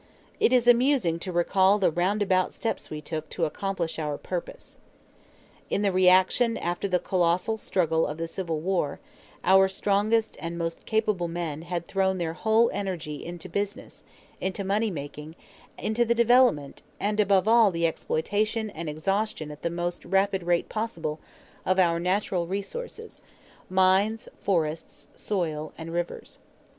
It is amusing to recall the roundabout steps we took to accomplish our purpose. In the reaction after the colossal struggle of the Civil War our strongest and most capable men had thrown their whole energy into business, into money making, into the development, and above all the exploitation and exhaustion at the most rapid rate possible, of our natural resources mines, forests, soil, and rivers.